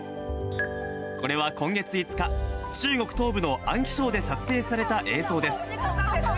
これは今月５日、中国東部の安徽省で撮影された映像です。